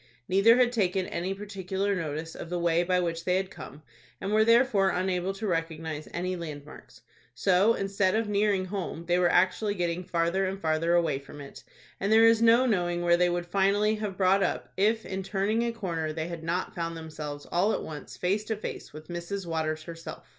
Neither had taken any particular notice of the way by which they had come, and were therefore unable to recognize any land marks. So, instead of nearing home, they were actually getting farther and farther away from it, and there is no knowing where they would finally have brought up, if in turning a corner they had not found themselves all at once face to face with Mrs. Waters herself.